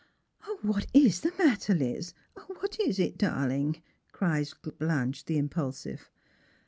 '* "What is the matter, Liz — what is it, darling?" cries Blanche the impulsive.